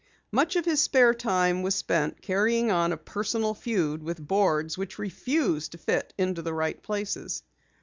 Much of his spare time was spent carrying on a personal feud with boards which refused to fit into the right places.